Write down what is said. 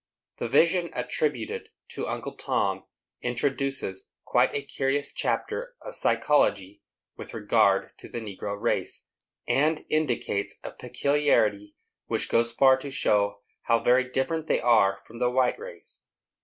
_" The vision attributed to Uncle Tom introduces quite a curious chapter of psychology with regard to the negro race, and indicates a peculiarity which goes far to show how very different they are from the white race.